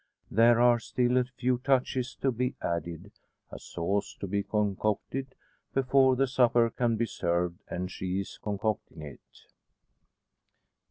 There are still a few touches to be added a sauce to be concocted before the supper can be served; and she is concocting it.